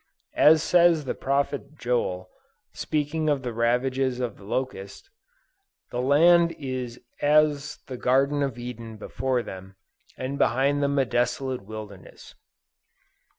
As says the Prophet Joel, speaking of the ravages of the locust, "the land is as the garden of Eden before them, and behind them a desolate wilderness."